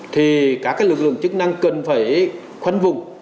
thì các lực lượng chức năng cần phải khoanh vùng